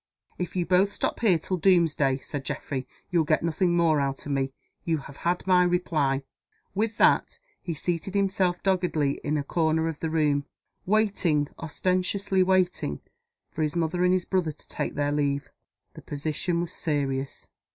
"If you both stop here till domesday," said Geoffrey, "you'll get nothing more out of me. You have had my reply." With that, he seated himself doggedly in a corner of the room; waiting ostentatiously waiting for his mother and his brother to take their leave. The position was serious.